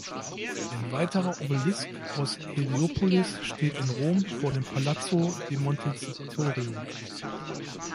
Ein weiterer Obelisk aus Heliopolis steht in Rom vor dem Palazzo di Montecitorio.